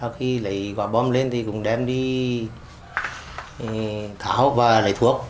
khi lấy quả bom lên thì cũng đem đi tháo và lấy thuốc